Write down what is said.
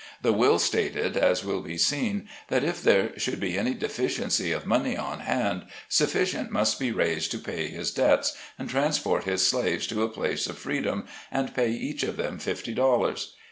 The will stated, as will be seen, that if there should be any deficiency of money on hand, sufficient must be raised to pay his debts, and transport his slaves to a place of freedom, and pay each of them fifty dollars.